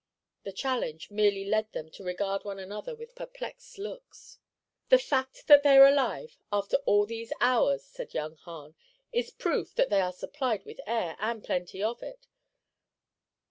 The challenge merely led them to regard one another with perplexed looks. "The fact that they're alive, after all these hours," said young Hahn, "is proof that they are supplied with air, and plenty of it.